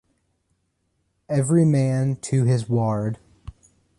Every man to his Ward!